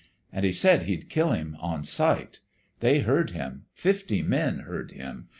And he said he'd kill him on sight. They heard him. Fifty men heard him.